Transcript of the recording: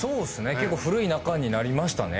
結構古い仲になりましたね。